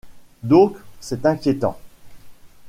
Donc c’est inquiétant.